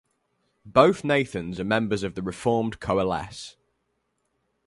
Both Nathans are members of the reformed Coalesce.